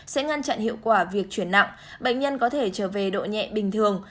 sẽ ngăn chặn hiệu quả việc chuyển nặng bệnh nhân có thể trở về độ nhẹ bình thường